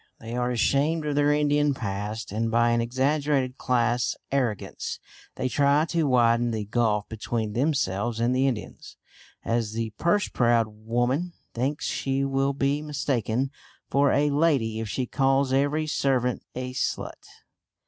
They are ashamed of their Indian past, and by an exaggerated class arrogance they try to widen the gulf between themselves and the Indians, as the purse proud woman thinks she will be mistaken for a lady if she calls every servant a "slut."